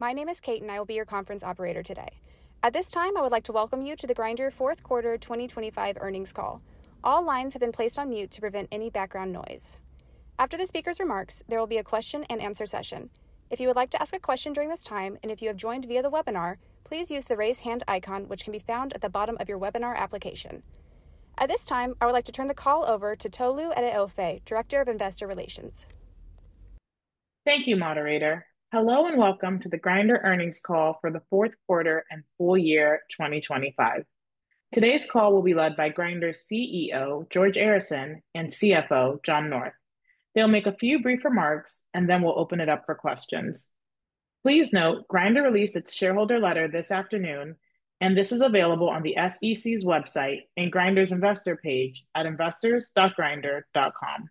My name is Kate and I will be your conference operator today. At this time, I would like to welcome you to the Grindr fourth quarter 2025 earnings call. All lines have been placed on mute to prevent any background noise. After the speaker's remarks, there will be a question and answer session. If you would like to ask a question during this time, and if you have joined via the webinar, please use the Raise Hand icon, which can be found at the bottom of your webinar application. At this time, I would like to turn the call over to Tolu Adeofe, Director of Investor Relations. Thank you, moderator. Hello, and welcome to the Grindr earnings call for the fourth quarter and full year 2025. Today's call will be led by Grindr's CEO, George Arison, and CFO, John North. They'll make a few brief remarks, and then we'll open it up for questions. Please note, Grindr released its shareholder letter this afternoon, and this is available on the SEC's website and Grindr's investor page at investors.grindr.com.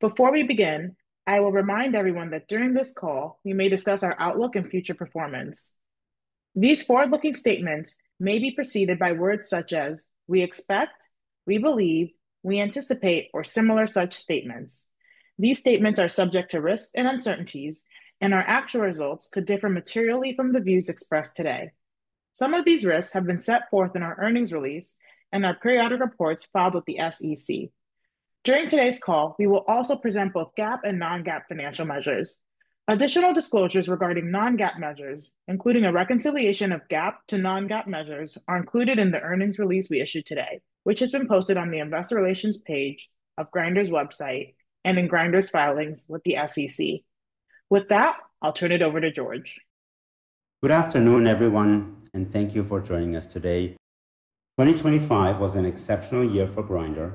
Before we begin, I will remind everyone that during this call, we may discuss our outlook and future performance. These forward-looking statements may be preceded by words such as "we expect," "we believe," "we anticipate," or similar such statements. These statements are subject to risks and uncertainties, and our actual results could differ materially from the views expressed today. Some of these risks have been set forth in our earnings release and our periodic reports filed with the SEC. During today's call, we will also present both GAAP and non-GAAP financial measures. Additional disclosures regarding non-GAAP measures, including a reconciliation of GAAP to non-GAAP measures, are included in the earnings release we issued today, which has been posted on the investor relations page of Grindr's website and in Grindr's filings with the SEC. I'll turn it over to George. Good afternoon, everyone, and thank you for joining us today. 2025 was an exceptional year for Grindr.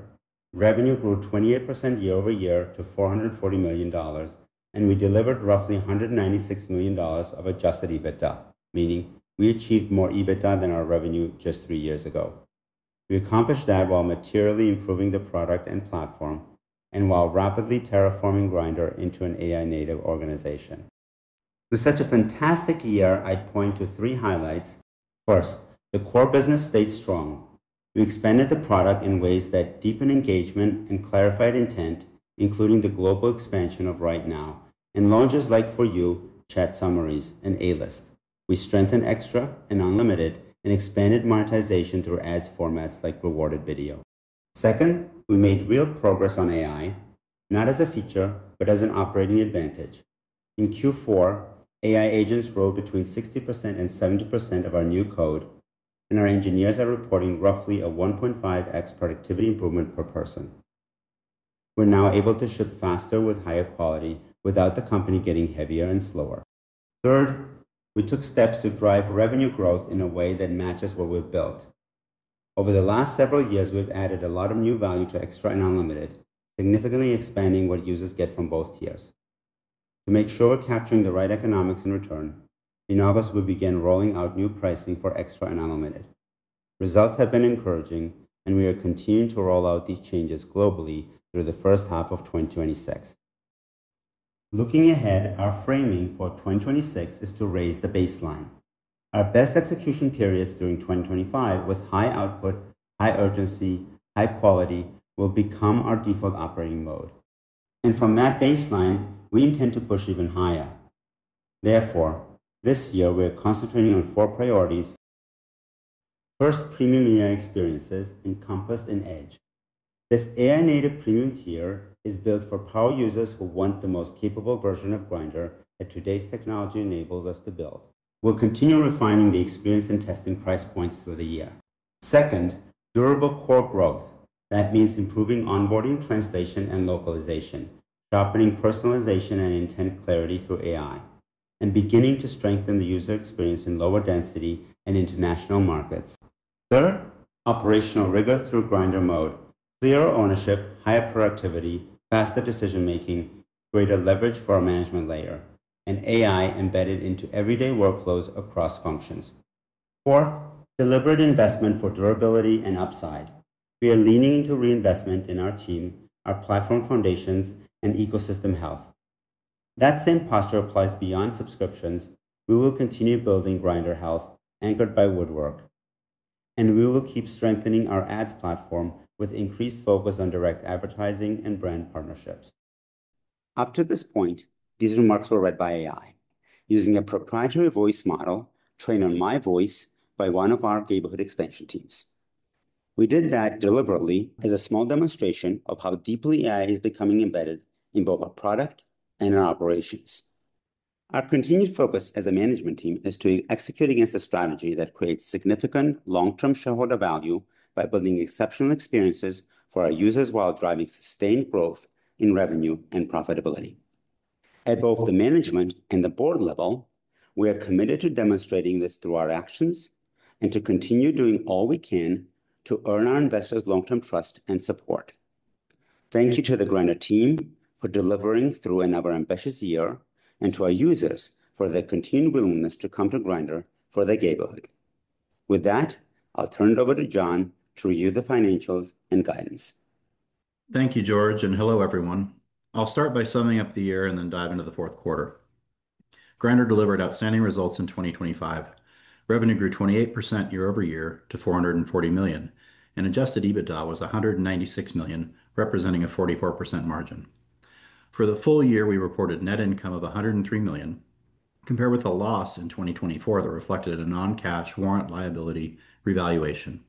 Revenue grew 28% year-over-year to $440 million, and we delivered roughly $196 million of Adjusted EBITDA, meaning we achieved more EBITDA than our revenue just three years ago. We accomplished that while materially improving the product and platform and while rapidly terraforming Grindr into an AI-native organization. With such a fantastic year, I'd point to three highlights. First, the core business stayed strong. We expanded the product in ways that deepen engagement and clarified intent, including the global expansion of Right Now and launches like For You, Chat Summaries, and A-List. We strengthened XTRA and Unlimited and expanded monetization through ads formats like Rewarded Video. Second, we made real progress on AI, not as a feature, but as an operating advantage. In Q4, AI agents wrote between 60% and 70% of our new code, and our engineers are reporting roughly a 1.5x productivity improvement per person. We're now able to ship faster with higher quality without the company getting heavier and slower. Third, we took steps to drive revenue growth in a way that matches what we've built. Over the last several years, we've added a lot of new value to XTRA and Unlimited, significantly expanding what users get from both tiers. To make sure we're capturing the right economics in return, in August, we began rolling out new pricing for XTRA and Unlimited. Results have been encouraging, and we are continuing to roll out these changes globally through the first half of 2026. Looking ahead, our framing for 2026 is to raise the baseline. Our best execution periods during 2025 with high output, high urgency, high quality will become our default operating mode. From that baseline, we intend to push even higher. Therefore, this year we're concentrating on four priorities. First, premium AI experiences encompassed in EDGE. This AI-native premium tier is built for power users who want the most capable version of Grindr that today's technology enables us to build. We'll continue refining the experience and testing price points through the year. Second, durable core growth. That means improving onboarding, translation, and localization, sharpening personalization and intent clarity through AI, and beginning to strengthen the user experience in lower density and international markets. Third, operational rigor through Grindr Mode, clearer ownership, higher productivity, faster decision-making, greater leverage for our management layer, and AI embedded into everyday workflows across functions. Fourth, deliberate investment for durability and upside. We are leaning into reinvestment in our team, our platform foundations, and ecosystem health. That same posture applies beyond subscriptions. We will continue building Grindr Health, anchored by Woodwork, and we will keep strengthening our ads platform with increased focus on direct advertising and brand partnerships. Up to this point, these remarks were read by AI using a proprietary voice model trained on my voice by one of our neighborhood expansion teams. We did that deliberately as a small demonstration of how deeply AI is becoming embedded in both our product and our operations. Our continued focus as a management team is to execute against a strategy that creates significant long-term shareholder value by building exceptional experiences for our users while driving sustained growth in revenue and profitability. At both the management and the board level, we are committed to demonstrating this through our actions and to continue doing all we can to earn our investors' long-term trust and support. Thank you to the Grindr team for delivering through another ambitious year and to our users for their continued willingness to come to Grindr for their Gayborhood. With that, I'll turn it over to John to review the financials and guidance. Thank you, George, and hello, everyone. I'll start by summing up the year and then dive into the fourth quarter. Grindr delivered outstanding results in 2025. Revenue grew 28% year-over-year to $440 million, and Adjusted EBITDA was $196 million, representing a 44% margin. For the full year, we reported net income of $103 million, compared with a loss in 2024 that reflected a non-cash warrant liability revaluation.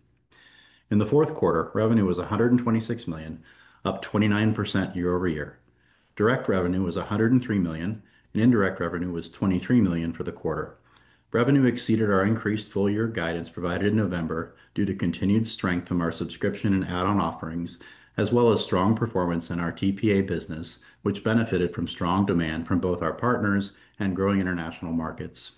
In the fourth quarter, revenue was $126 million, up 29% year-over-year. Direct revenue was $103 million, and indirect revenue was $23 million for the quarter. Revenue exceeded our increased full year guidance provided in November due to continued strength from our subscription and add-on offerings, as well as strong performance in our TPA business, which benefited from strong demand from both our partners and growing international markets.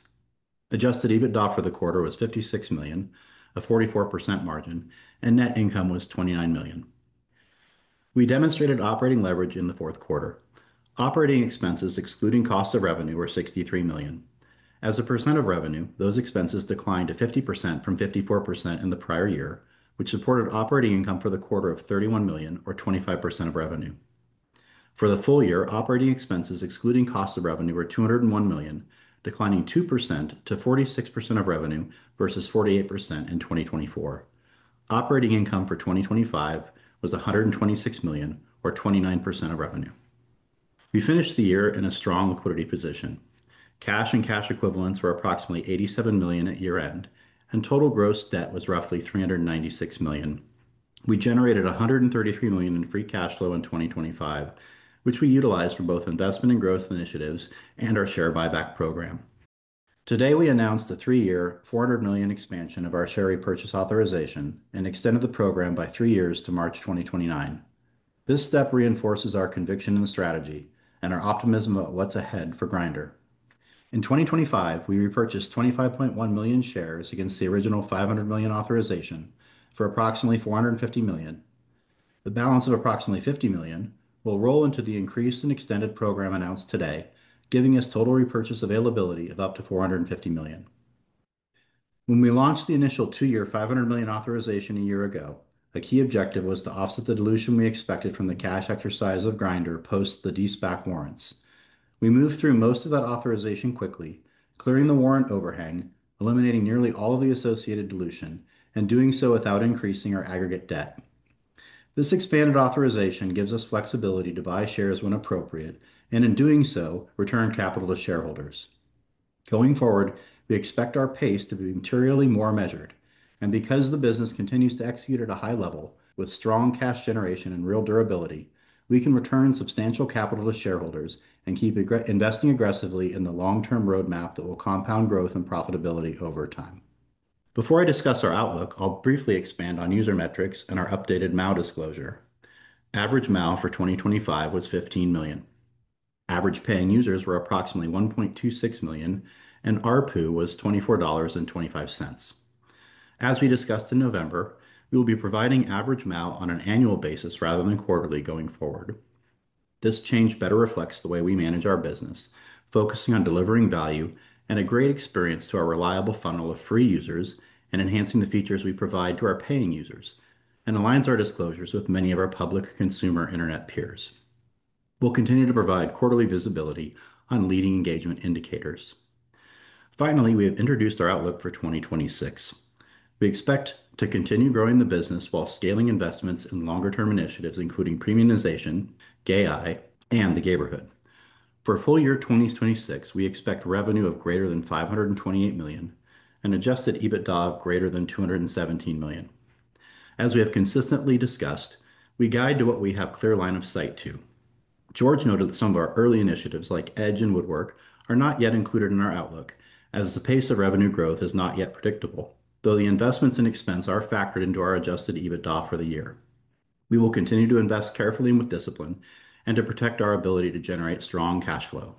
Adjusted EBITDA for the quarter was $56 million, a 44% margin, and net income was $29 million. We demonstrated operating leverage in the fourth quarter. Operating expenses excluding cost of revenue were $63 million. As a percent of revenue, those expenses declined to 50% from 54% in the prior year, which supported operating income for the quarter of $31 million or 25% of revenue. For the full year, operating expenses excluding cost of revenue were $201 million, declining 2% to 46% of revenue versus 48% in 2024. Operating income for 2025 was $126 million or 29% of revenue. We finished the year in a strong liquidity position. Cash and cash equivalents were approximately $87 million at year-end, and total gross debt was roughly $396 million. We generated $133 million in free cash flow in 2025, which we utilized for both investment and growth initiatives and our share buyback program. Today, we announced a three-year, $400 million expansion of our share repurchase authorization and extended the program by three years to March 2029. This step reinforces our conviction in the strategy and our optimism about what's ahead for Grindr. In 2025, we repurchased 25.1 million shares against the original $500 million authorization for approximately $450 million. The balance of approximately $50 million will roll into the increased and extended program announced today, giving us total repurchase availability of up to $450 million. When we launched the initial two-year, $500 million authorization a year ago, a key objective was to offset the dilution we expected from the cash exercise of Grindr post the de-SPAC warrants. We moved through most of that authorization quickly, clearing the warrant overhang, eliminating nearly all of the associated dilution, and doing so without increasing our aggregate debt. This expanded authorization gives us flexibility to buy shares when appropriate, and in doing so, return capital to shareholders. Going forward, we expect our pace to be materially more measured. Because the business continues to execute at a high level with strong cash generation and real durability, we can return substantial capital to shareholders and keep investing aggressively in the long-term roadmap that will compound growth and profitability over time. Before I discuss our outlook, I'll briefly expand on user metrics and our updated MAU disclosure. Average MAU for 2025 was 15 million. Average paying users were approximately 1.26 million, and ARPU was $24.25. As we discussed in November, we will be providing average MAU on an annual basis rather than quarterly going forward. This change better reflects the way we manage our business, focusing on delivering value and a great experience to our reliable funnel of free users and enhancing the features we provide to our paying users and aligns our disclosures with many of our public consumer internet peers. We'll continue to provide quarterly visibility on leading engagement indicators. Finally, we have introduced our outlook for 2026. We expect to continue growing the business while scaling investments in longer-term initiatives, including premiumization, Grindr AI, and the Gayborhood. For full year 2026, we expect revenue of greater than $528 million and Adjusted EBITDA of greater than $217 million. As we have consistently discussed, we guide to what we have clear line of sight to. George noted that some of our early initiatives like EDGE and Woodwork are not yet included in our outlook as the pace of revenue growth is not yet predictable, though the investments and expense are factored into our Adjusted EBITDA for the year. We will continue to invest carefully and with discipline and to protect our ability to generate strong cash flow.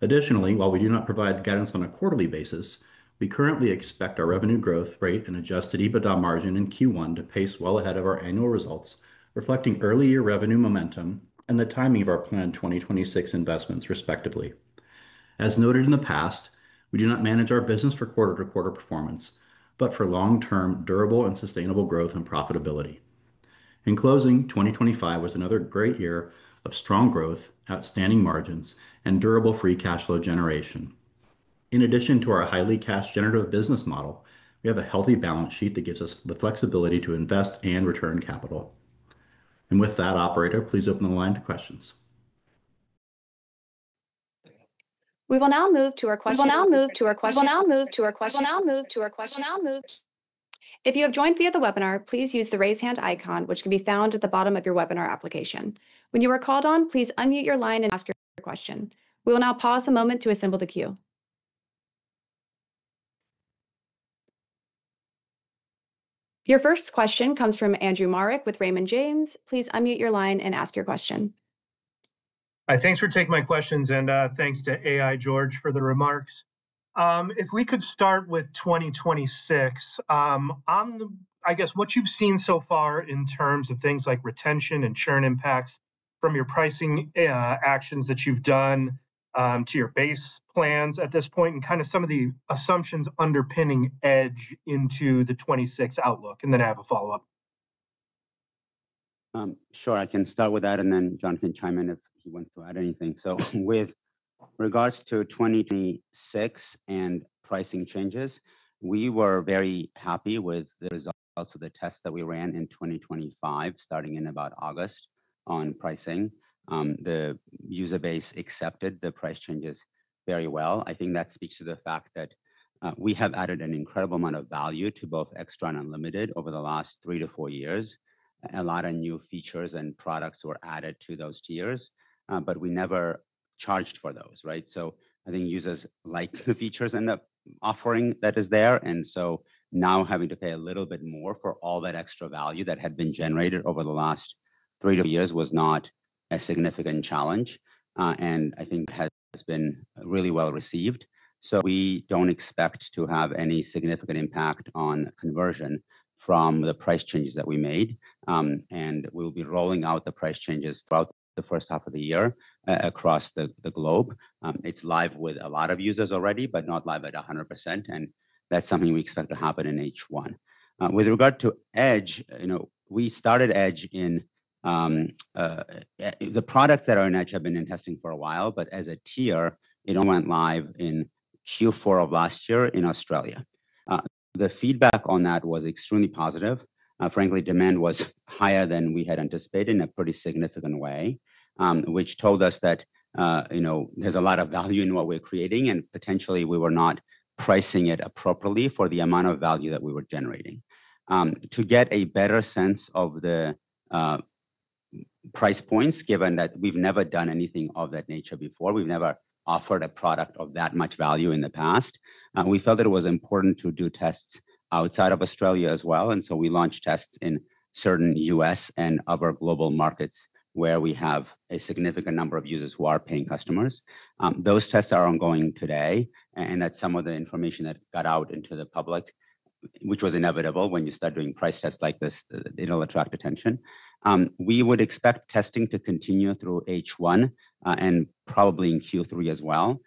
Additionally, while we do not provide guidance on a quarterly basis, we currently expect our revenue growth rate and Adjusted EBITDA margin in Q one to pace well ahead of our annual results, reflecting early-year revenue momentum and the timing of our planned 2026 investments, respectively. As noted in the past, we do not manage our business for quarter-to-quarter performance, but for long-term, durable, and sustainable growth and profitability. In closing, 2025 was another great year of strong growth, outstanding margins, and durable free cash flow generation. In addition to our highly cash generative business model, we have a healthy balance sheet that gives us the flexibility to invest and return capital. With that, operator, please open the line to questions. We will now move to our question. If you have joined via the webinar, please use the raise hand icon, which can be found at the bottom of your webinar application. When you are called on, please unmute your line and ask your question. We will now pause a moment to assemble the queue. Your first question comes from Andrew Marok with Raymond James. Please unmute your line and ask your question. Hi. Thanks for taking my questions, and thanks to AI George for the remarks. If we could start with 2026 on the I guess what you've seen so far in terms of things like retention and churn impacts from your pricing actions that you've done to your base plans at this point and kind of some of the assumptions underpinning EDGE into the 26 outlook, and then I have a follow-up. Sure. I can start with that, and then John can chime in if he wants to add anything. In regards to 2026 and pricing changes, we were very happy with the results of the tests that we ran in 2025, starting in about August on pricing. The user base accepted the price changes very well. I think that speaks to the fact that we have added an incredible amount of value to both XTRA and Unlimited over the last three to four years. A lot of new features and products were added to those tiers, but we never charged for those, right? I think users like the features and the offering that is there. Now having to pay a little bit more for all that extra value that had been generated over the last three years was not a significant challenge. I think it has been really well received. We don't expect to have any significant impact on conversion from the price changes that we made. We'll be rolling out the price changes throughout the first half of the year across the globe. It's live with a lot of users already but not live at 100%, and that's something we expect to happen in H1. With regard to EDGE, you know, we started EDGE in. The products that are in EDGE have been in testing for a while, but as a tier, it only went live in Q4 of last year in Australia. The feedback on that was extremely positive. Frankly, demand was higher than we had anticipated in a pretty significant way, which told us that, you know, there's a lot of value in what we're creating, and potentially we were not pricing it appropriately for the amount of value that we were generating. To get a better sense of the price points, given that we've never done anything of that nature before, we've never offered a product of that much value in the past, we felt that it was important to do tests outside of Australia as well. We launched tests in certain U.S. and other global markets where we have a significant number of users who are paying customers. Those tests are ongoing today. That's some of the information that got out into the public, which was inevitable. When you start doing price tests like this, it'll attract attention. We would expect testing to continue through H1, and probably in Q3 as well.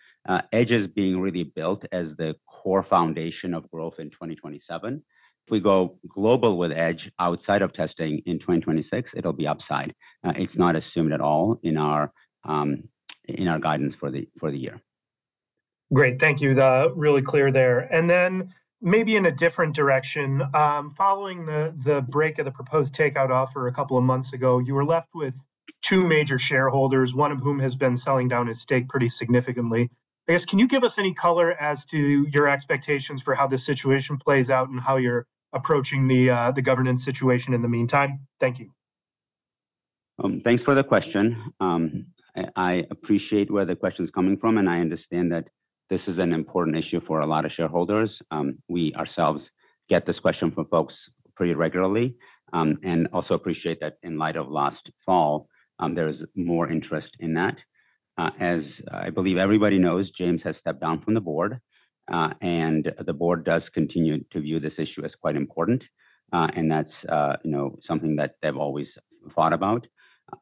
EDGE is being really built as the core foundation of growth in 2027. If we go global with EDGE outside of testing in 2026, it'll be upside. It's not assumed at all in our guidance for the year. Great. Thank you. That really clear there. And then maybe in a different direction, following the break of the proposed takeout offer two months ago, you were left with two major shareholders, one of whom has been selling down his stake pretty significantly. I guess, can you give us any color as to your expectations for how this situation plays out and how you're approaching the governance situation in the meantime? Thank you. Thanks for the question. I appreciate where the question's coming from, and I understand that this is an important issue for a lot of shareholders. We ourselves get this question from folks pretty regularly, and also appreciate that in light of last fall, there is more interest in that. As I believe everybody knows, James has stepped down from the board, and the board does continue to view this issue as quite important. And that's, you know, something that they've always thought about.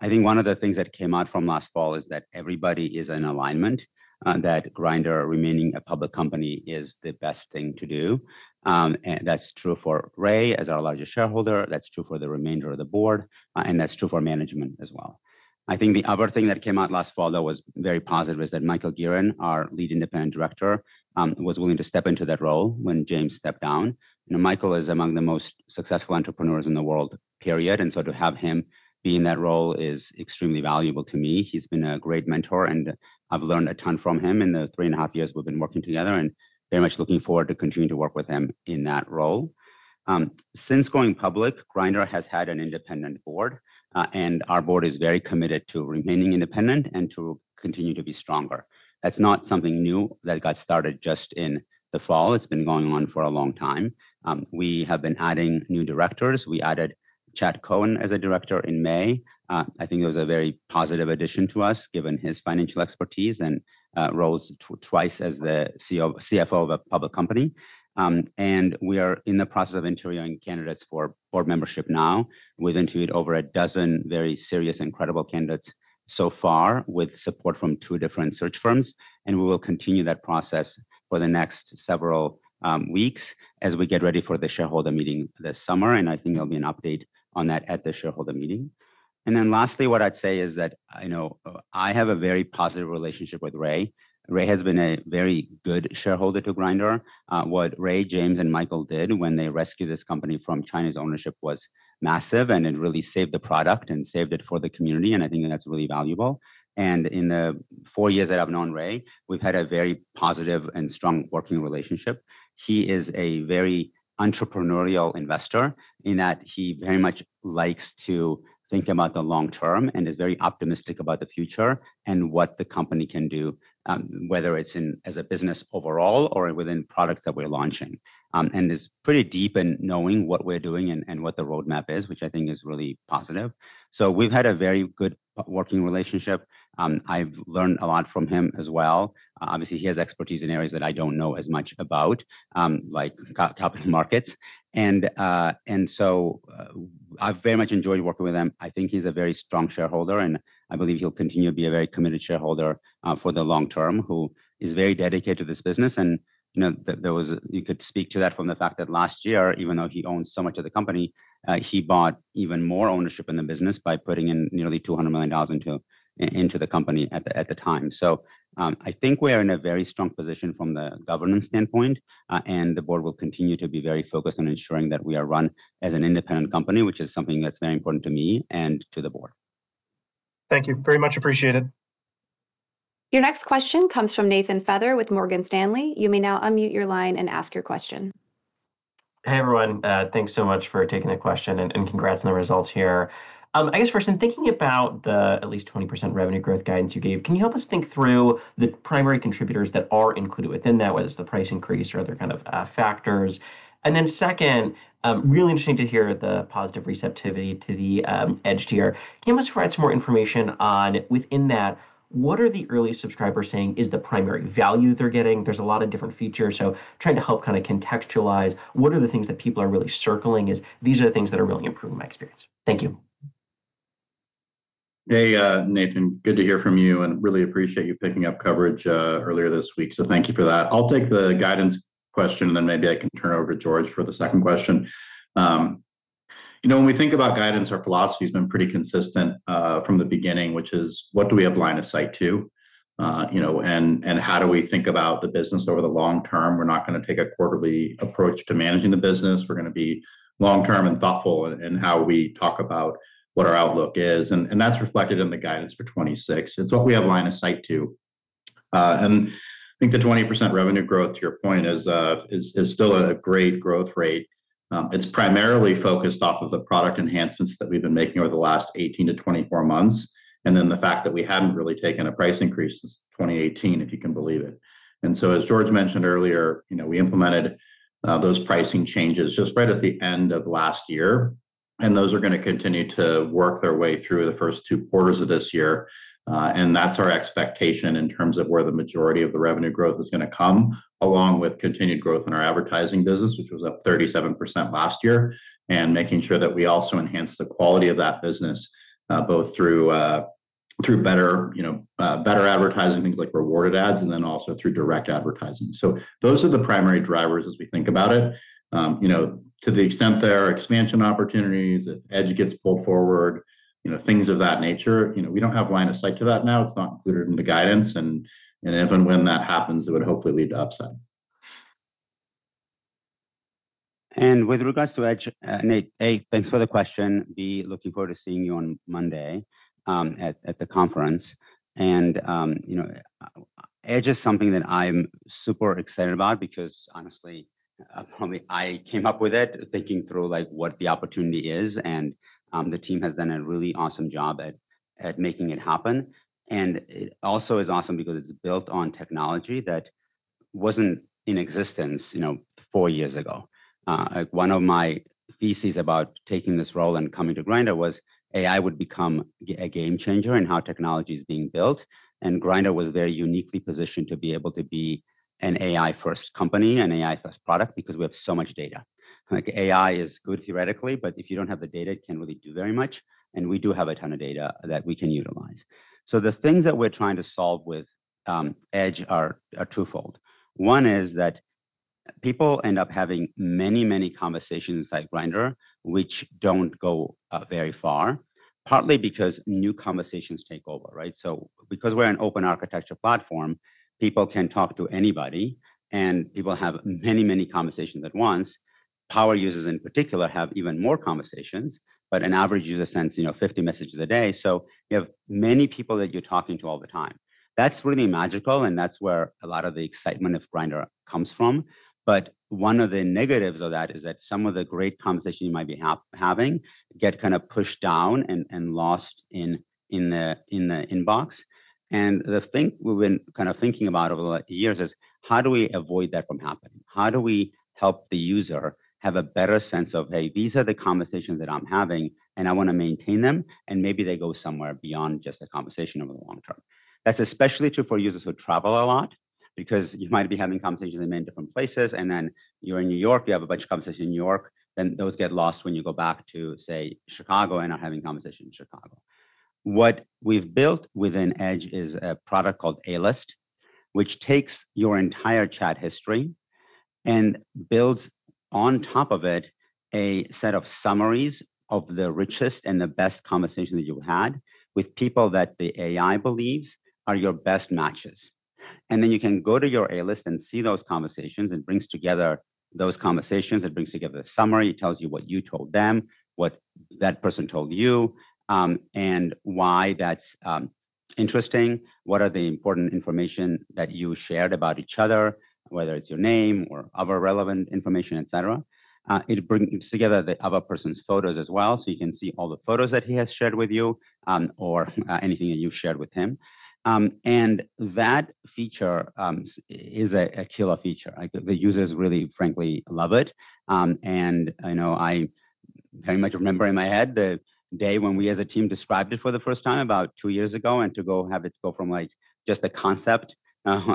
I think one of the things that came out from last fall is that everybody is in alignment that Grindr remaining a public company is the best thing to do. And that's true for Ray as our largest shareholder, that's true for the remainder of the board, and that's true for management as well. I think the other thing that came out last fall, though, was very positive, is that J. Michael Gearon, Jr., our Lead Independent Director, was willing to step into that role when James stepped down. You know, Michael is among the most successful entrepreneurs in the world, period. To have him be in that role is extremely valuable to me. He's been a great mentor, and I've learned a ton from him in the three and a half years we've been working together and very much looking forward to continuing to work with him in that role. Since going public, Grindr has had an independent board, and our board is very committed to remaining independent and to continue to be stronger. That's not something new that got started just in the fall. It's been going on for a long time. We have been adding new directors. We added Chad Cohen as a director in May. I think it was a very positive addition to us, given his financial expertise and roles twice as the CFO of a public company. We are in the process of interviewing candidates for board membership now. We've interviewed over 12 very serious and credible candidates so far with support from two different search firms, and we will continue that process for the next several weeks as we get ready for the shareholder meeting this summer. I think there'll be an update on that at the shareholder meeting. Lastly, what I'd say is that, you know, I have a very positive relationship with Ray. Ray has been a very good shareholder to Grindr. What Ray, James, and Michael did when they rescued this company from China's ownership was massive, it really saved the product and saved it for the community, and I think that's really valuable. In the four years that I've known Ray, we've had a very positive and strong working relationship. He is a very entrepreneurial investor in that he very much likes to think about the long term and is very optimistic about the future and what the company can do, whether it's in as a business overall or within products that we're launching. Is pretty deep in knowing what we're doing and what the roadmap is, which I think is really positive. We've had a very good working relationship. I've learned a lot from him as well. Obviously, he has expertise in areas that I don't know as much about, like capital markets. I've very much enjoyed working with him. I think he's a very strong shareholder, and I believe he'll continue to be a very committed shareholder, for the long term, who is very dedicated to this business. You know, you could speak to that from the fact that last year, even though he owns so much of the company, he bought even more ownership in the business by putting in nearly $200 million into the company at the time. I think we are in a very strong position from the governance standpoint, and the board will continue to be very focused on ensuring that we are run as an independent company, which is something that's very important to me and to the board. Thank you. Very much appreciated. Your next question comes from Nathan Feather with Morgan Stanley. You may now unmute your line and ask your question. Hey, everyone. Thanks so much for taking the question and congrats on the results here. I guess first, in thinking about the at least 20% revenue growth guidance you gave, can you help us think through the primary contributors that are included within that, whether it's the price increase or other kind of factors? Second, really interesting to hear the positive receptivity to the EDGE tier. Can you almost provide some more information on within that, what are the early subscribers saying is the primary value they're getting? There's a lot of different features, so trying to help kinda contextualize what are the things that people are really circling as these are the things that are really improving my experience. Thank you. Hey, Nathan, good to hear from you, and really appreciate you picking up coverage earlier this week, so thank you for that. I'll take the guidance question, and then maybe I can turn over to George for the second question. You know, when we think about guidance, our philosophy's been pretty consistent from the beginning, which is what do we have line of sight to? You know, and how do we think about the business over the long term? We're not gonna take a quarterly approach to managing the business. We're gonna be long-term and thoughtful in how we talk about what our outlook is. That's reflected in the guidance for 2026. It's what we have line of sight to. I think the 20% revenue growth, to your point, is still a great growth rate. It's primarily focused off of the product enhancements that we've been making over the last 18-24 months, and then the fact that we hadn't really taken a price increase since 2018, if you can believe it. As George mentioned earlier, you know, we implemented those pricing changes just right at the end of last year, and those are gonna continue to work their way through the first two quarters of this year. That's our expectation in terms of where the majority of the revenue growth is gonna come, along with continued growth in our advertising business, which was up 37% last year. Making sure that we also enhance the quality of that business, both through better, you know, better advertising, things like rewarded ads, and then also through direct advertising. Those are the primary drivers as we think about it. You know, to the extent there are expansion opportunities, if EDGE gets pulled forward, you know, things of that nature. You know, we don't have line of sight to that now. It's not included in the guidance, and if and when that happens, it would hopefully lead to upside. With regards to EDGE, Nate, A, thanks for the question. B, looking forward to seeing you on Monday, at the conference. You know, EDGE is something that I'm super excited about because honestly, probably I came up with it thinking through like what the opportunity is and, the team has done a really awesome job at making it happen. It also is awesome because it's built on technology that wasn't in existence, you know, four years ago. One of my theses about taking this role and coming to Grindr was AI would become a game changer in how technology is being built. Grindr was very uniquely positioned to be able to be an AI-first company, an AI-first product because we have so much data. AI is good theoretically, but if you don't have the data it can't really do very much, and we do have a ton of data that we can utilize. The things that we're trying to solve with EDGE are twofold. One is that people end up having many, many conversations inside Grindr which don't go very far, partly because new conversations take over, right? Because we're an open architecture platform, people can talk to anybody, and people have many, many conversations at once. Power users in particular have even more conversations, but an average user sends, you know, 50 messages a day. You have many people that you're talking to all the time. That's really magical, and that's where a lot of the excitement of Grindr comes from. One of the negatives of that is that some of the great conversations you might be having get kinda pushed down and lost in the inbox. The thing we've been kind of thinking about over the years is how do we avoid that from happening? How do we help the user have a better sense of, hey, these are the conversations that I'm having, and I wanna maintain them, and maybe they go somewhere beyond just a conversation over the long term. That's especially true for users who travel a lot because you might be having conversations in many different places. Then you're in New York, you have a bunch of conversations in New York, then those get lost when you go back to, say, Chicago and are having conversations in Chicago. What we've built within EDGE is a product called A-List, which takes your entire chat history and builds on top of it a set of summaries of the richest and the best conversations you've had with people that the AI believes are your best matches. You can go to your A-List and see those conversations. It brings together those conversations. It brings together the summary. It tells you what you told them, what that person told you, and why that's interesting. What are the important information that you shared about each other, whether it's your name or other relevant information, et cetera. It brings together the other person's photos as well, so you can see all the photos that he has shared with you, or anything that you've shared with him. That feature is a killer feature. Like the users really frankly love it. I know I very much remember in my head the day when we as a team described it for the first time about two years ago and to go have it go from like just a concept,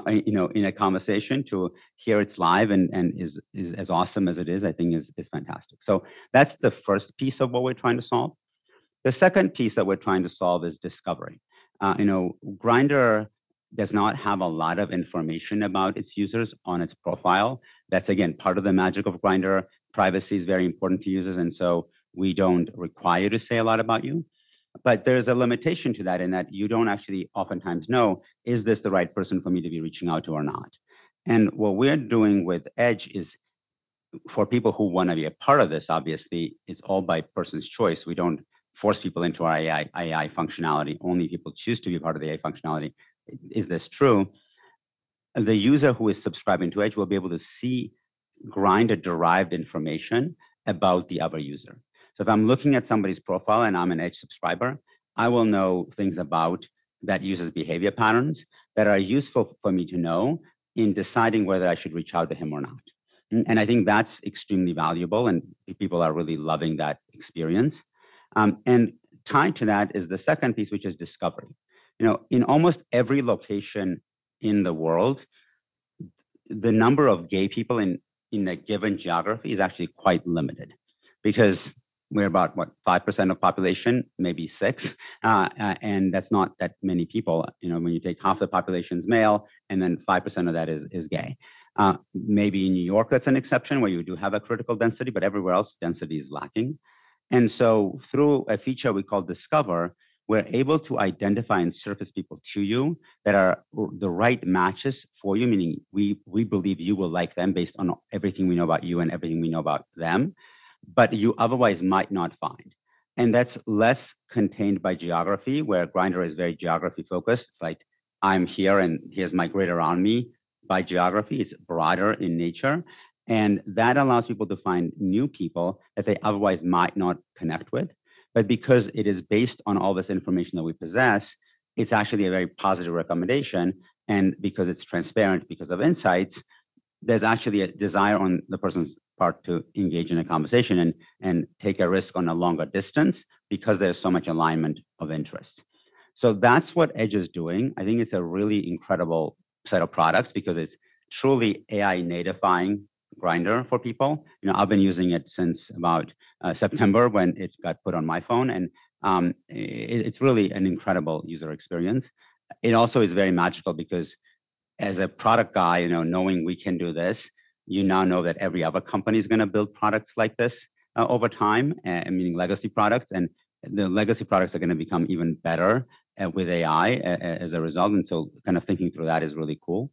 you know, in a conversation to hear it's live and is as awesome as it is, I think is fantastic. That's the first piece of what we're trying to solve. The second piece that we're trying to solve is discovery. you know, Grindr does not have a lot of information about its users on its profile. That's again, part of the magic of Grindr. Privacy is very important to users. We don't require to say a lot about you. There's a limitation to that in that you don't actually oftentimes know, is this the right person for me to be reaching out to or not? What we're doing with EDGE is for people who wanna be a part of this, obviously, it's all by person's choice. We don't force people into our AI functionality. Only people choose to be part of the AI functionality. Is this true? The user who is subscribing to EDGE will be able to see Grindr-derived information about the other user. If I'm looking at somebody's profile and I'm an EDGE subscriber, I will know things about that user's behavior patterns that are useful for me to know in deciding whether I should reach out to him or not. I think that's extremely valuable and people are really loving that experience. Tied to that is the second piece, which is Discover. You know, in almost every location in the world, the number of gay people in a given geography is actually quite limited because we're about, what? 5% of population, maybe 6%, that's not that many people. You know, when you take half the population's male, 5% of that is gay. Maybe in New York, that's an exception where you do have a critical density, everywhere else, density is lacking. Through a feature we call Discover, we're able to identify and surface people to you that are the right matches for you, meaning we believe you will like them based on everything we know about you and everything we know about them, you otherwise might not find. That's less contained by geography, where Grindr is very geography-focused. I'm here, and here's my grid around me by geography. It's broader in nature, and that allows people to find new people that they otherwise might not connect with. Because it is based on all this information that we possess, it's actually a very positive recommendation. Because it's transparent, because of insights, there's actually a desire on the person's part to engage in a conversation and take a risk on a longer distance because there's so much alignment of interest. That's what EDGE is doing. I think it's a really incredible set of products because it's truly AI natifying Grindr for people. You know, I've been using it since about September when it got put on my phone and it's really an incredible user experience. It also is very magical because as a product guy, you know, knowing we can do this, you now know that every other company is gonna build products like this over time, meaning legacy products. The legacy products are gonna become even better with AI as a result. Kind of thinking through that is really cool.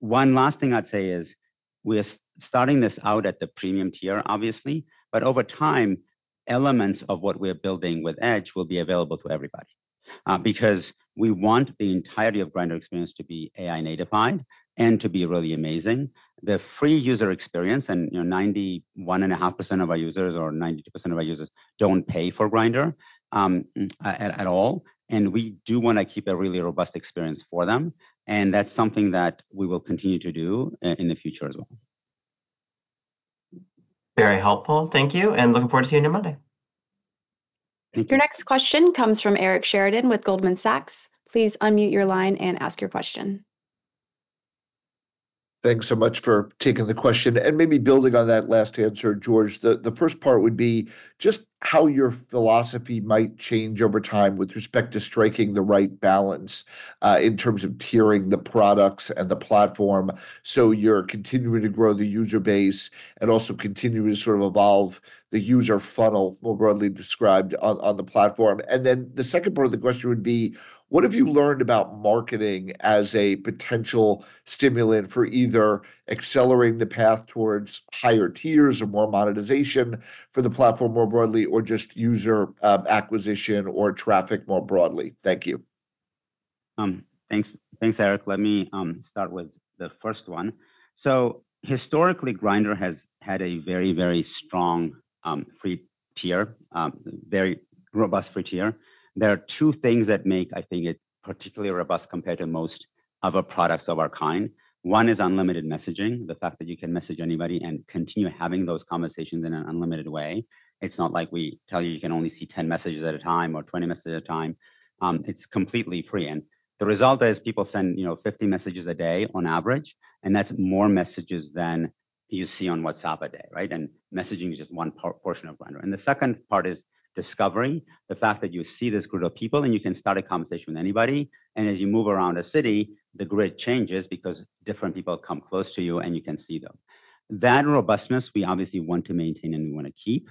One last thing I'd say is we're starting this out at the premium tier, obviously. Over time, elements of what we're building with EDGE will be available to everybody because we want the entirety of Grindr experience to be AI natified and to be really amazing. The free user experience and, you know, 91.5% of our users or 92% of our users don't pay for Grindr at all, and we do wanna keep a really robust experience for them, and that's something that we will continue to do in the future as well. Very helpful. Thank you, and looking forward to seeing you Monday. Thank you. Your next question comes from Eric Sheridan with Goldman Sachs. Please unmute your line and ask your question. Thanks so much for taking the question. Maybe building on that last answer, George, the first part would be just how your philosophy might change over time with respect to striking the right balance in terms of tiering the products and the platform. You're continuing to grow the user base and also continuing to sort of evolve the user funnel more broadly described on the platform. The second part of the question would be: What have you learned about marketing as a potential stimulant for either accelerating the path towards higher tiers or more monetization for the platform more broadly or just user acquisition or traffic more broadly? Thank you. Thanks. Thanks, Eric. Let me start with the first one. Historically, Grindr has had a very strong free tier, very robust free tier. There are two things that make, I think, it particularly robust compared to most other products of our kind. One is unlimited messaging, the fact that you can message anybody and continue having those conversations in an unlimited way. It's not like we tell you can only see 10 messages at a time or 20 messages at a time. It's completely free. The result is people send, you know, 50 messages a day on average, and that's more messages than you see on WhatsApp a day, right? Messaging is just one portion of Grindr. The second part is Discover. The fact that you see this group of people and you can start a conversation with anybody, and as you move around a city, the grid changes because different people come close to you and you can see them. That robustness we obviously want to maintain and we wanna keep.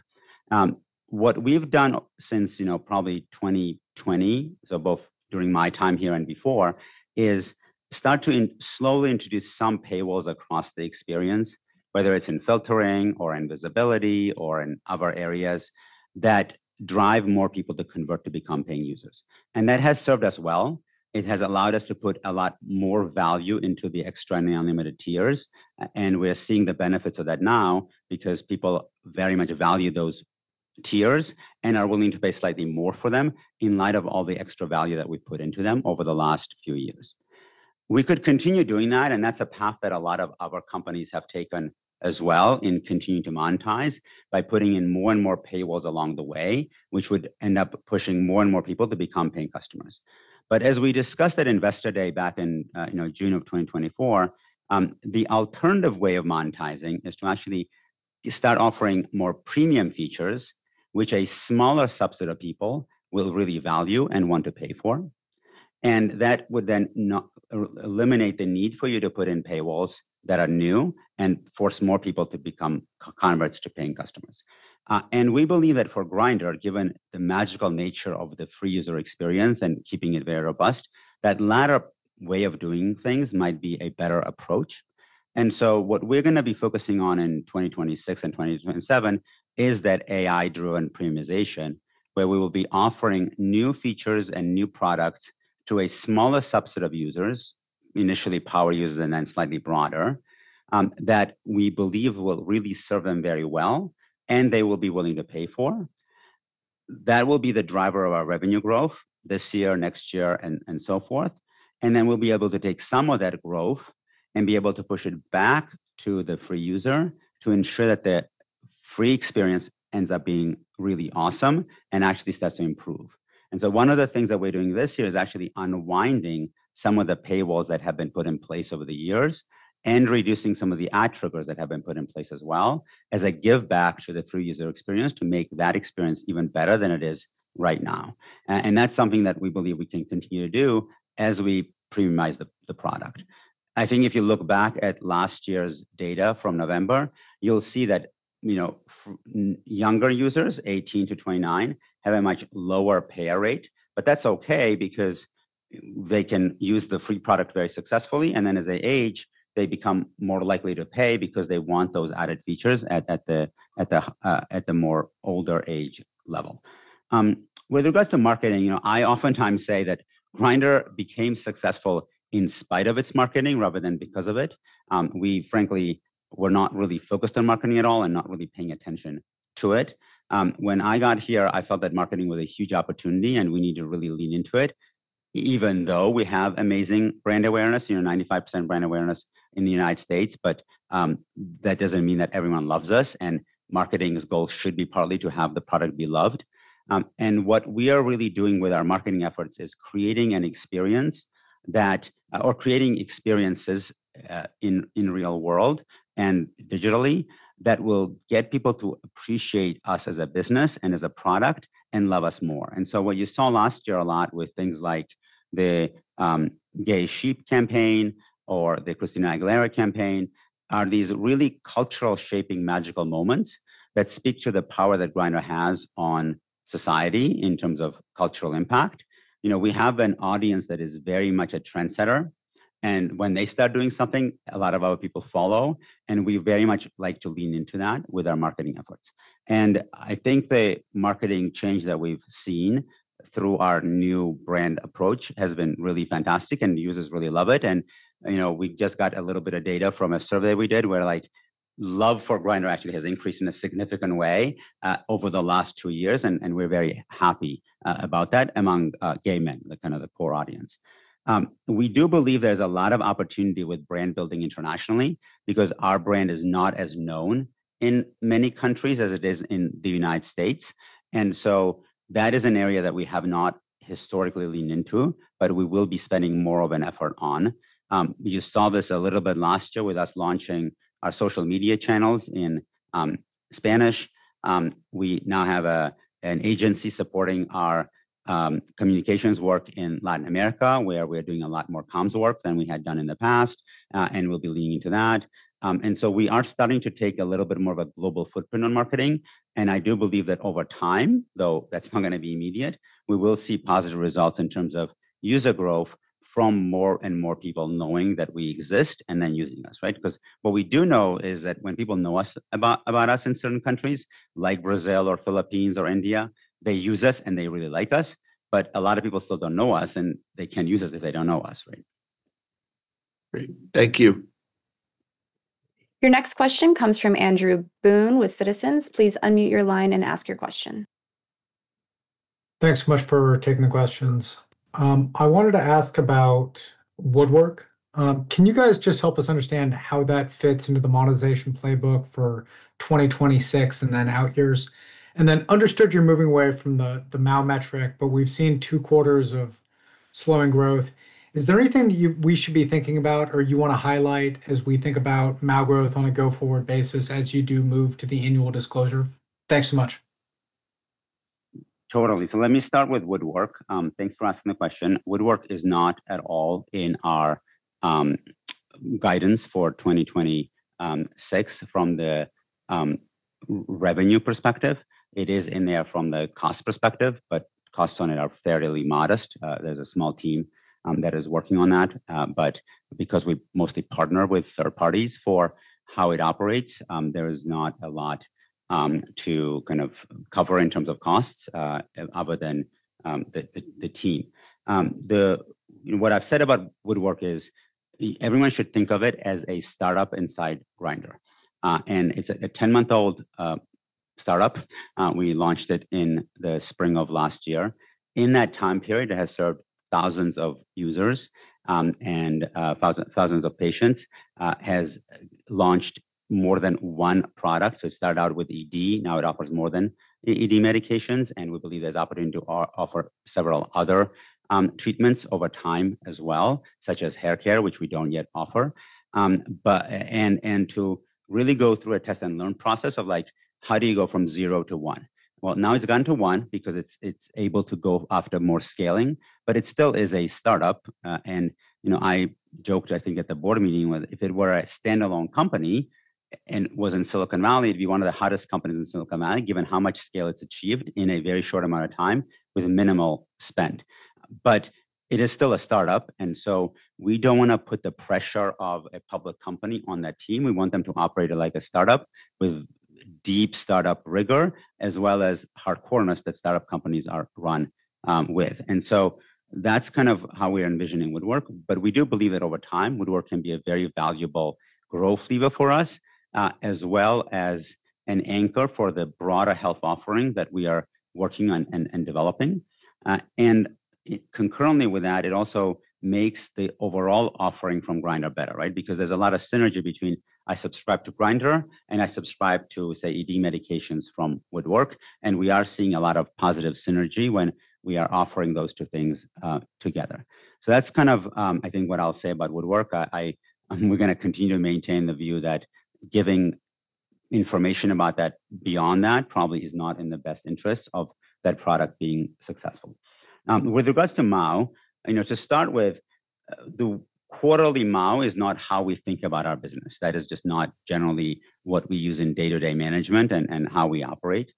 What we've done since, you know, probably 2020, so both during my time here and before, is start to slowly introduce some paywalls across the experience, whether it's in filtering or in visibility or in other areas that drive more people to convert to become paying users. That has served us well. It has allowed us to put a lot more value into the XTRA and the Unlimited tiers, and we're seeing the benefits of that now because people very much value those tiers and are willing to pay slightly more for them in light of all the extra value that we've put into them over the last few years. That's a path that a lot of other companies have taken as well and continue to monetize by putting in more and more paywalls along the way, which would end up pushing more and more people to become paying customers. As we discussed at Investor Day back in, you know, June of 2024, the alternative way of monetizing is to actually start offering more premium features, which a smaller subset of people will really value and want to pay for. That would then eliminate the need for you to put in paywalls that are new and force more people to become converts to paying customers. We believe that for Grindr, given the magical nature of the free user experience and keeping it very robust, that latter way of doing things might be a better approach. What we're gonna be focusing on in 2026 and 2027 is that AI-driven premiumization, where we will be offering new features and new products to a smaller subset of users, initially power users and then slightly broader, that we believe will really serve them very well and they will be willing to pay for. That will be the driver of our revenue growth this year, next year, and so forth. We'll be able to take some of that growth and be able to push it back to the free user to ensure that the free experience ends up being really awesome and actually starts to improve. One of the things that we're doing this year is actually unwinding some of the paywalls that have been put in place over the years and reducing some of the ad triggers that have been put in place as well as a giveback to the free user experience to make that experience even better than it is right now. That's something that we believe we can continue to do as we premiumize the product. I think if you look back at last year's data from November, you'll see that, you know, younger users, 18-29, have a much lower payer rate. That's okay because they can use the free product very successfully, and then as they age, they become more likely to pay because they want those added features at the more older age level. With regards to marketing, you know, I oftentimes say that Grindr became successful in spite of its marketing rather than because of it. We frankly were not really focused on marketing at all and not really paying attention to it. When I got here, I felt that marketing was a huge opportunity, and we need to really lean into it. Even though we have amazing brand awareness, you know, 95% brand awareness in the United States, but that doesn't mean that everyone loves us, and marketing's goal should be partly to have the product be loved. What we are really doing with our marketing efforts is creating an experience or creating experiences, in real world and digitally that will get people to appreciate us as a business and as a product and love us more. What you saw last year a lot with things like the gay sheep campaign or the Christina Aguilera campaign are these really cultural shaping magical moments that speak to the power that Grindr has on society in terms of cultural impact. You know, we have an audience that is very much a trendsetter, and when they start doing something, a lot of other people follow, and we very much like to lean into that with our marketing efforts. I think the marketing change that we've seen through our new brand approach has been really fantastic, and users really love it. You know, we just got a little bit of data from a survey we did where, like, love for Grindr actually has increased in a significant way over the last two years, and we're very happy about that among gay men, kind of the core audience. We do believe there's a lot of opportunity with brand building internationally because our brand is not as known in many countries as it is in the United States. That is an area that we have not historically leaned into, but we will be spending more of an effort on. You saw this a little bit last year with us launching our social media channels in Spanish. We now have an agency supporting our communications work in Latin America, where we're doing a lot more comms work than we had done in the past, and we'll be leaning to that. We are starting to take a little bit more of a global footprint on marketing, and I do believe that over time, though that's not gonna be immediate, we will see positive results in terms of user growth from more and more people knowing that we exist and then using us, right? What we do know is that when people know about us in certain countries like Brazil or Philippines or India, they use us, and they really like us, but a lot of people still don't know us, and they can't use us if they don't know us, right? Great. Thank you. Your next question comes from Andrew Boone with Citizens. Please unmute your line and ask your question. Thanks so much for taking the questions. I wanted to ask about Woodwork. Can you guys just help us understand how that fits into the monetization playbook for 2026 and then out years? Understood you're moving away from the MAU metric, but we've seen two quarters of slowing growth. Is there anything we should be thinking about or you wanna highlight as we think about MAU growth on a go-forward basis as you do move to the annual disclosure? Thanks so much. Totally. Let me start with Woodwork. Thanks for asking the question. Woodwork is not at all in our guidance for 2026 from the revenue perspective. It is in there from the cost perspective, but costs on it are fairly modest. There's a small team that is working on that. Because we mostly partner with third parties for how it operates, there is not a lot to kind of cover in terms of costs, other than the, the team. What I've said about Woodwork is everyone should think of it as a startup inside Grindr. It's a 10-month-old startup. We launched it in the spring of last year. In that time period, it has served thousands of users, and thousands of patients, has launched more than one product. It started out with ED, now it offers more than ED medications, and we believe there's opportunity to offer several other treatments over time as well, such as hair care, which we don't yet offer. And, and to really go through a test and learn process of, like, how do you go from zero to one? Well, now it's gone to one because it's able to go after more scaling, but it still is a startup. You know, I joked, I think, at the board meeting with if it were a standalone company and was in Silicon Valley, it'd be one of the hottest companies in Silicon Valley, given how much scale it's achieved in a very short amount of time with minimal spend. It is still a startup, and so we don't wanna put the pressure of a public company on that team. We want them to operate it like a startup with deep startup rigor, as well as hardcoreness that startup companies are run with. That's kind of how we're envisioning Woodwork, but we do believe that over time, Woodwork can be a very valuable growth lever for us, as well as an anchor for the broader health offering that we are working on and developing. Concurrently with that, it also makes the overall offering from Grindr better, right? Because there's a lot of synergy between I subscribe to Grindr and I subscribe to, say, ED medications from Woodwork, and we are seeing a lot of positive synergy when we are offering those two things together. That's kind of, I think what I'll say about Woodwork. I, we're gonna continue to maintain the view that giving information about that beyond that probably is not in the best interest of that product being successful. With regards to MAU, you know, to start with, the quarterly MAU is not how we think about our business. That is just not generally what we use in day-to-day management and how we operate.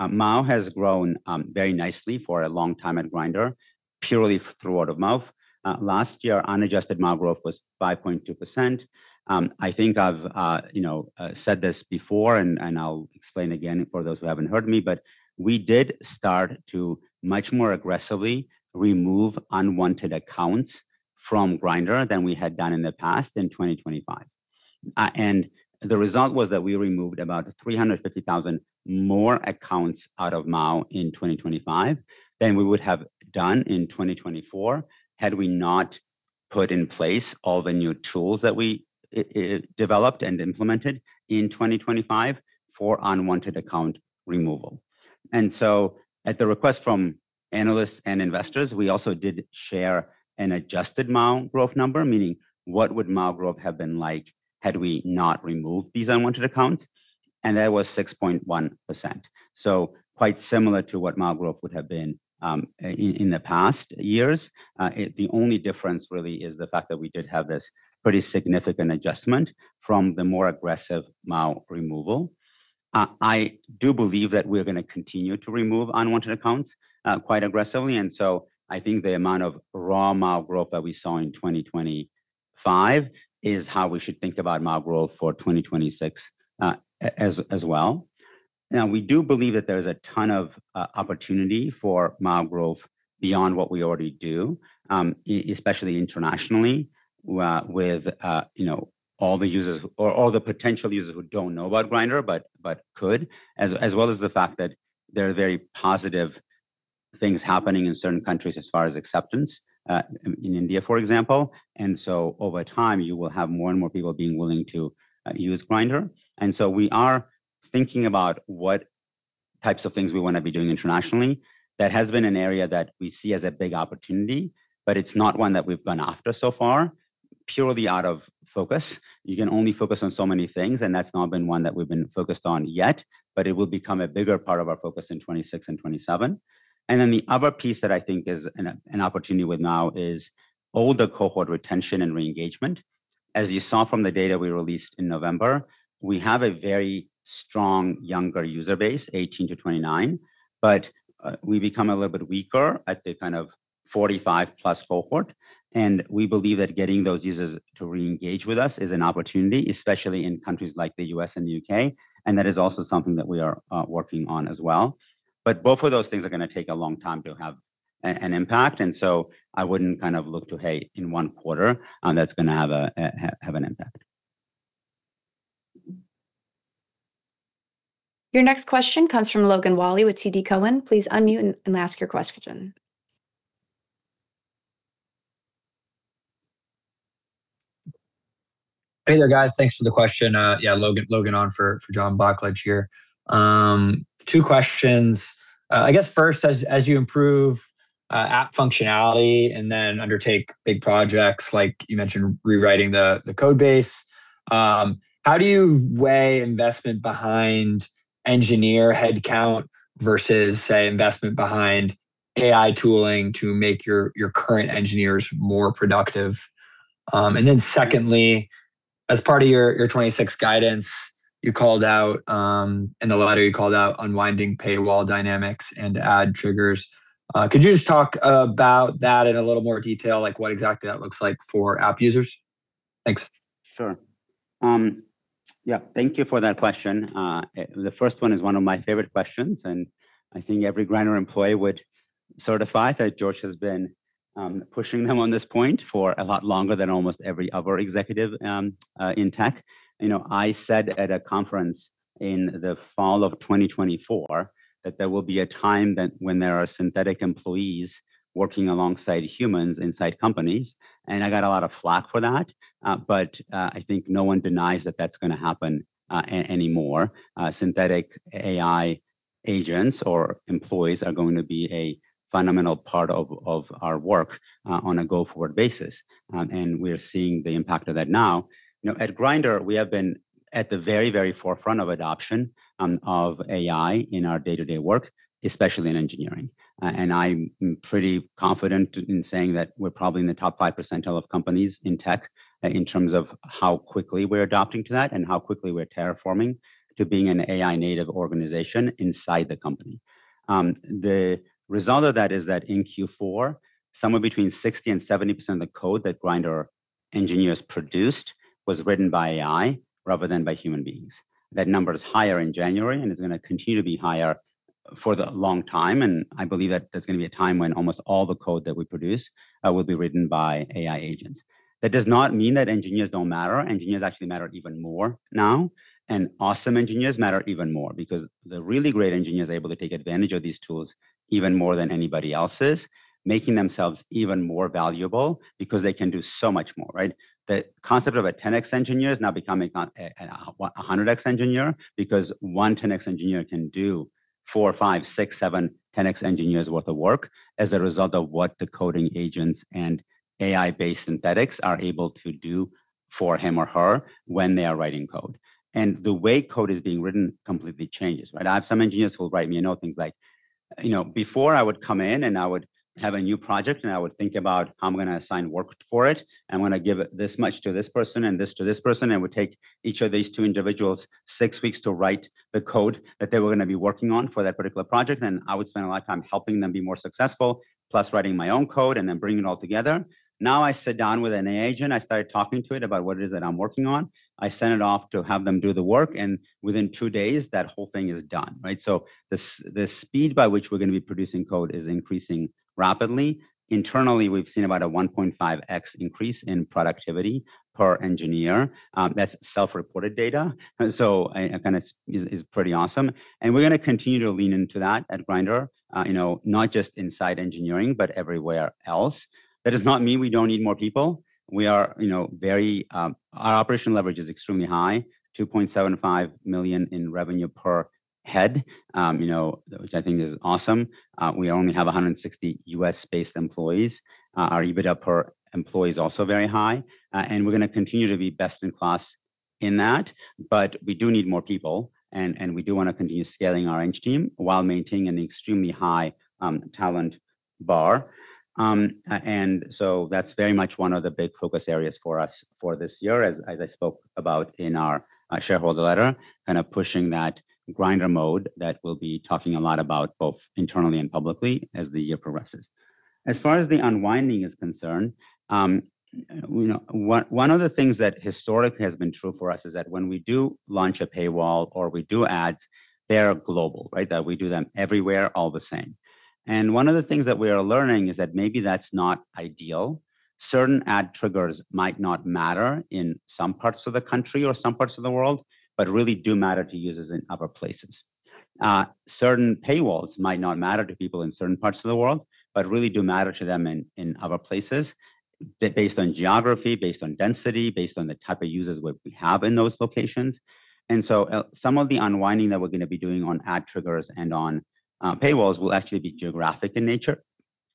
MAU has grown very nicely for a long time at Grindr purely through word of mouth. Last year, unadjusted MAU growth was 5.2%. I think I've, you know, said this before and I'll explain again for those who haven't heard me, but we did start to much more aggressively remove unwanted accounts from Grindr than we had done in the past in 2025. The result was that we removed about 350,000 more accounts out of MAU in 2025 than we would have done in 2024 had we not put in place all the new tools that we developed and implemented in 2025 for unwanted account removal. At the request from analysts and investors, we also did share an adjusted MAU growth number, meaning what would MAU growth have been like had we not removed these unwanted accounts, and that was 6.1%. Quite similar to what MAU growth would have been in the past years. The only difference really is the fact that we did have this pretty significant adjustment from the more aggressive MAU removal. I do believe that we're gonna continue to remove unwanted accounts quite aggressively. I think the amount of raw MAU growth that we saw in 2025 is how we should think about MAU growth for 2026 as well. We do believe that there's a ton of opportunity for MAU growth beyond what we already do, especially internationally with, you know, all the users or all the potential users who don't know about Grindr, but could, as well as the fact that there are very positive things happening in certain countries as far as acceptance, in India, for example. Over time, you will have more and more people being willing to use Grindr. We are thinking about what types of things we wanna be doing internationally. That has been an area that we see as a big opportunity, but it's not one that we've gone after so far, purely out of focus. You can only focus on so many things, and that's not been one that we've been focused on yet, but it will become a bigger part of our focus in 2026 and 2027. The other piece that I think is an opportunity with MAU is older cohort retention and re-engagement. As you saw from the data we released in November, we have a very strong younger user base, 18-29, but we become a little bit weaker at the kind of 45+ cohort. We believe that getting those users to re-engage with us is an opportunity, especially in countries like the U.S and the U.K., and that is also something that we are working on as well. Both of those things are gonna take a long time to have an impact. I wouldn't kind of look to, hey, in one quarter, that's gonna have an impact. Your next question comes from Logan Whalley with TD Cowen. Please unmute and ask your question. Hey there, guys. Thanks for the question. Yeah, Logan on for John Blackledge here. Two questions. I guess first, as you improve app functionality and then undertake big projects, like you mentioned rewriting the code base, how do you weigh investment behind engineer headcount versus, say, investment behind AI tooling to make your current engineers more productive? Secondly, as part of your 2026 guidance, you called out in the letter you called out unwinding paywall dynamics and ad triggers. Could you just talk about that in a little more detail, like what exactly that looks like for app users? Thanks. Sure. Yeah. Thank you for that question. The first one is one of my favorite questions, and I think every Grindr employee would certify that George has been pushing them on this point for a lot longer than almost every other executive in tech. You know, I said at a conference in the fall of 2024 that there will be a time that when there are synthetic employees working alongside humans inside companies, and I got a lot of flak for that, but, I think no one denies that that's gonna happen anymore. Synthetic AI agents or employees are going to be a fundamental part of our work on a go-forward basis, and we are seeing the impact of that now. You know, at Grindr, at the very, very forefront of adoption of AI in our day-to-day work, especially in engineering. I'm pretty confident in saying that we're probably in the top 5 percentile of companies in tech in terms of how quickly we're adopting to that and how quickly we're terraforming to being an AI-native organization inside the company. The result of that is that in Q4, somewhere between 60% and 70% of the code that Grindr engineers produced was written by AI rather than by human beings. That number is higher in January and is gonna continue to be higher for the long time. I believe that there's gonna be a time when almost all the code that we produce will be written by AI agents. That does not mean that engineers don't matter. Engineers actually matter even more now. Awesome engineers matter even more because the really great engineers are able to take advantage of these tools even more than anybody else is, making themselves even more valuable because they can do so much more, right? The concept of a 10x engineer is now becoming a 100x engineer because one 10x engineer can do four, five, six, seven 10x engineers' worth of work as a result of what the coding agents and AI-based synthetics are able to do for him or her when they are writing code. The way code is being written completely changes, right? I have some engineers who will write me, you know, things like, you know, "Before I would come in and I would have a new project and I would think about how I'm gonna assign work for it, and when I give this much to this person and this to this person, it would take each of these two individuals six weeks to write the code that they were gonna be working on for that particular project. I would spend a lot of time helping them be more successful, plus writing my own code and then bringing it all together. Now I sit down with an agent. I start talking to it about what it is that I'm working on. I send it off to have them do the work, and within two days that whole thing is done." Right? The speed by which we're gonna be producing code is increasing rapidly. Internally, we've seen about a 1.5x increase in productivity per engineer. That's self-reported data. It kinda is pretty awesome, and we're gonna continue to lean into that at Grindr, you know, not just inside engineering, but everywhere else. That does not mean we don't need more people. We are, you know, very. Our operational leverage is extremely high, $2.75 million in revenue per head, you know, which I think is awesome. We only have 160 U.S.-based employees. Our EBITDA per employee is also very high. We're gonna continue to be best in class in that. We do need more people and we do wanna continue scaling our eng team while maintaining an extremely high talent bar. That's very much one of the big focus areas for us for this year as I spoke about in our shareholder letter, kind of pushing that Grindr Mode that we'll be talking a lot about both internally and publicly as the year progresses. As far as the unwinding is concerned, you know, one of the things that historically has been true for us is that when we do launch a paywall or we do ads, they are global, right? That we do them everywhere all the same. One of the things that we are learning is that maybe that's not ideal. Certain ad triggers might not matter in some parts of the country or some parts of the world, but really do matter to users in other places. Certain paywalls might not matter to people in certain parts of the world, but really do matter to them in other places based on geography, based on density, based on the type of users we have in those locations. Some of the unwinding that we're gonna be doing on ad triggers and on paywalls will actually be geographic in nature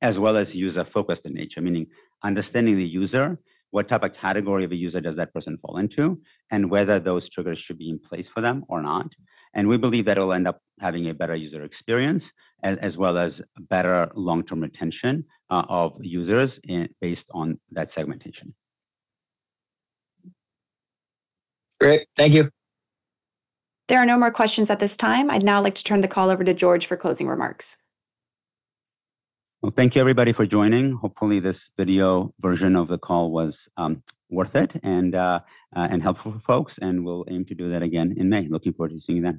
as well as user-focused in nature, meaning understanding the user, what type of category of a user does that person fall into, and whether those triggers should be in place for them or not. We believe that it'll end up having a better user experience as well as better long-term retention of users based on that segmentation. Great. Thank you. There are no more questions at this time. I'd now like to turn the call over to George for closing remarks. Thank you everybody for joining. Hopefully, this video version of the call was worth it and helpful for folks, and we'll aim to do that again in May. Looking forward to seeing you then.